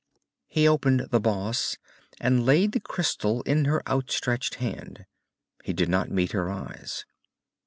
He opened the boss and laid the crystal in her outstretched hand. He did not meet her eyes.